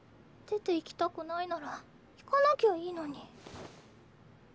出ていきたくないなら行かなきゃいいのに。